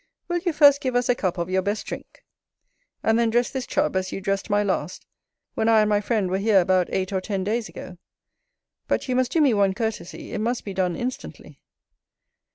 Will you first give us a cup of your best drink, and then dress this Chub, as you dressed my last, when I and my friend were here about eight or ten days ago? But you must do me one courtesy, it must be done instantly.